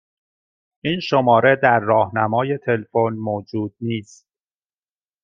این شماره در راهنمای تلفن موجود نیست.